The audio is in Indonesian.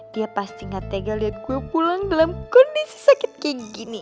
dia pasti gak tegel lihat gue pulang dalam kondisi sakit kayak gini